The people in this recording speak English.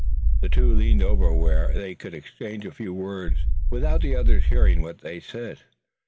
The two leaned over where they could exchange a few words without the others hearing what was said.